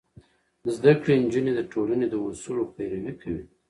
زده کړې نجونې د ټولنې د اصولو پيروي کوي.